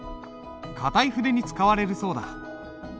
硬い筆に使われるそうだ。